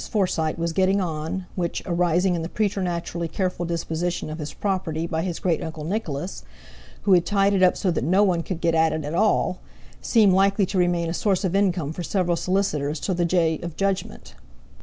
Forsyte was getting on, which, arising in the preternaturally careful disposition of his property by his great uncle Nicholas, who had tied it up so that no one could get at it at all, seemed likely to remain a source of income for several solicitors till the Day of Judgment.